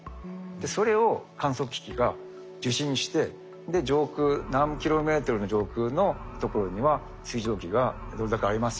でそれを観測機器が受信して上空何キロメートルの上空のところには水蒸気がどれだけあります